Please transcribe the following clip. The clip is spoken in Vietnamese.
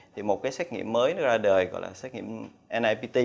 thì một cái xét nghiệm mới nó ra đời gọi là xét nghiệm napt